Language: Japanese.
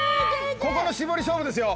ここの絞り勝負ですよ